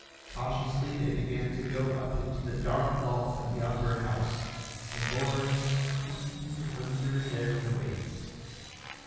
Cautiously they began to go up into the dark vault of the upper house, the boards creaking under their weight.